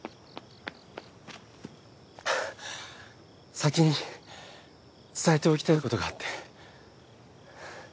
先に伝えておきたいことがあって。